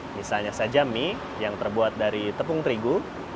misalnya saja mie yang terbuat dari tepung terigu